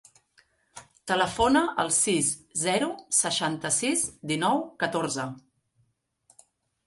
Telefona al sis, zero, seixanta-sis, dinou, catorze.